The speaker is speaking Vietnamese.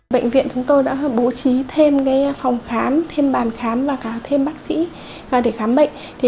bệnh viện chúng tôi đã bố trí thêm phòng khám thêm bàn khám và thêm bác sĩ để khám bệnh